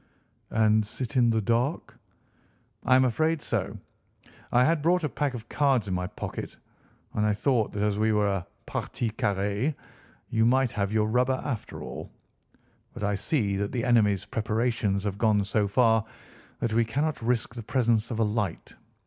"And sit in the dark?" "I am afraid so. I had brought a pack of cards in my pocket, and I thought that, as we were a partie carrée, you might have your rubber after all. But I see that the enemy's preparations have gone so far that we cannot risk the presence of a light.